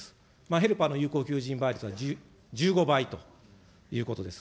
ヘルパーの有効求人倍率は１５倍ということです。